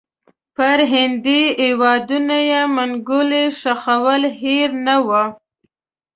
پر هندي هیوادونو یې منګولې ښخول هېر نه وي.